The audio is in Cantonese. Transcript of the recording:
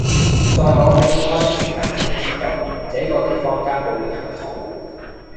在我離開的時候才知道，這個地方根本沒有桃